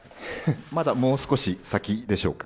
まだもう少し先でしょうか。